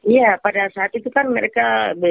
iya pada saat itu kan mereka